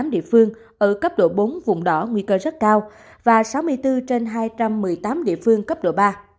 tám địa phương ở cấp độ bốn vùng đỏ nguy cơ rất cao và sáu mươi bốn trên hai trăm một mươi tám địa phương cấp độ ba